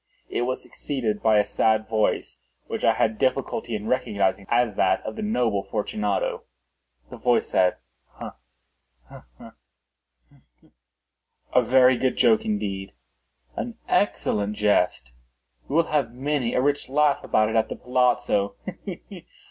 It was succeeded by a sad voice, which I had difficulty in recognising as that of the noble Fortunato. The voice said— "Ha! ha! ha!—he! he!—a very good joke indeed—an excellent jest. We will have many a rich laugh about it at the palazzo—he!